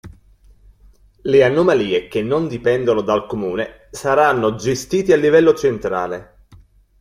Le anomalie che non dipendono dal comune saranno gestite a livello centrale.